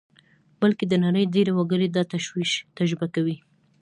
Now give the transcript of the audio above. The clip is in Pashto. بلکې د نړۍ ډېری وګړي دا تشویش تجربه کوي